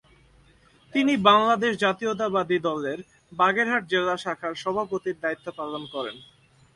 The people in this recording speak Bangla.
তিনি বাংলাদেশ জাতীয়তাবাদী দলের বাগেরহাট জেলা শাখার সভাপতির দায়িত্ব পালন করেন।